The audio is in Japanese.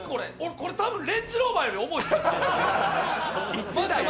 これ、多分レンジローバーより重いですよ。